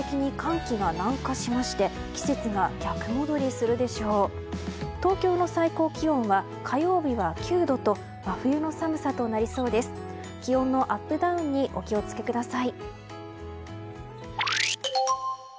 気温のアップダウンにお気を付けください。